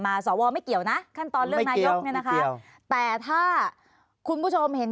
สวไม่เกี่ยวนะขั้นตอนเลือกนายกเนี่ยนะคะแต่ถ้าคุณผู้ชมเห็น